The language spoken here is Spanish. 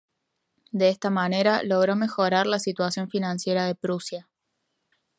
De esta manera logró mejorar la situación financiera de Prusia.